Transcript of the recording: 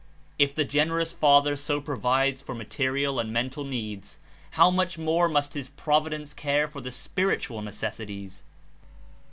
If the generous Father so provides for material and mental needs, how much more must his Providence care for the spir itual necessities